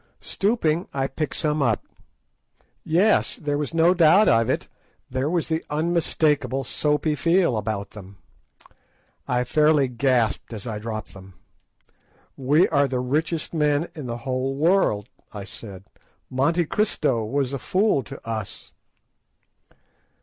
Stooping, I picked some up. Yes, there was no doubt of it, there was the unmistakable soapy feel about them. I fairly gasped as I dropped them. "We are the richest men in the whole world," I said. "Monte Christo was a fool to us."